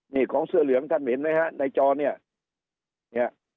นี่ของเสื้อเหลืองท่านเห็นไหมฮะในจอเนี่ยเนี่ย